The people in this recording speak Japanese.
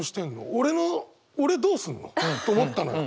俺の俺どうすんの？と思ったのよ。